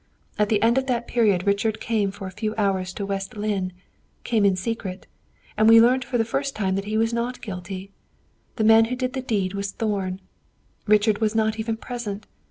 At the end of that period Richard came for a few hours to West Lynne came in secret and we learnt for the first time that he was not guilty. The man who did the deed was Thorn; Richard was not even present.